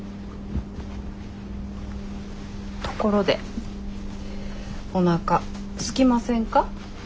ところでおなかすきませんか？